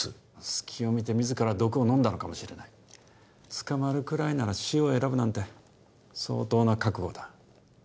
隙を見て自ら毒を飲んだのかもしれない捕まるくらいなら死を選ぶなんて相当な覚悟だ